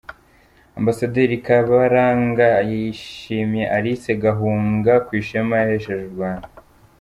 Ambasaderi Karabaranga yashimye Alice Gahunga ku ishema yahesheje u Rwanda.